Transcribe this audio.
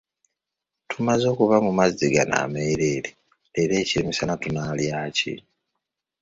Tumaze okuba mu mazzi gano ameereere, leero eky'emisana tunaalya ki?